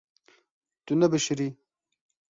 Tu nebişirî.